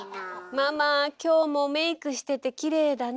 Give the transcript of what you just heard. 「ママ今日もメークしててキレイだね」。